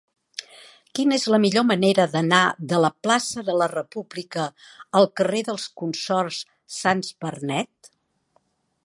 Quina és la millor manera d'anar de la plaça de la República al carrer dels Consorts Sans Bernet?